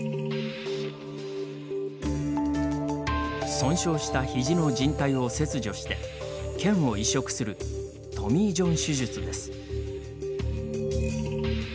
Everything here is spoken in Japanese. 損傷したひじのじん帯を切除してけんを移植するトミー・ジョン手術です。